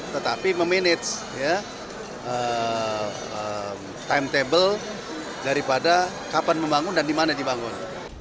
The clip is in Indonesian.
tetapi memanage timetable daripada kapan membangun dan di mana dibangun